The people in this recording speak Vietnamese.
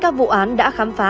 các vụ án đã khám phá